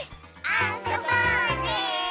あそぼうね！